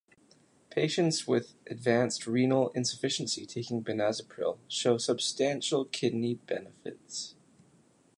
Patients with advanced renal insufficiency taking benazepril show "substantial" kidney benefits.